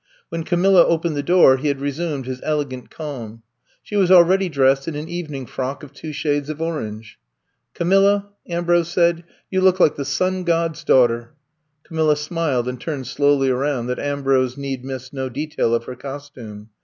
When Camilla opened the door he had resumed his elegant calm. She was already dressed in an evening frock of two shades of orange. Camilla," Ambrose said, you look like the Sun God's daughter." Camilla smiled and turned slowly around that Am brose need miss no detail of her costume.